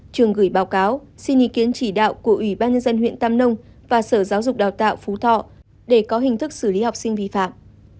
trường gửi báo cáo xin ý kiến chỉ đạo của ủy ban nhân dân huyện tam nông và sở giáo dục đào tạo phú thọ để có hình thức xử lý học sinh vi phạm